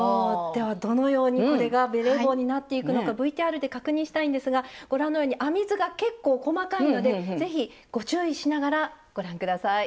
ではどのようにこれがベレー帽になっていくのかＶＴＲで確認したいんですがご覧のように編み図が結構細かいので是非ご注意しながらご覧下さい。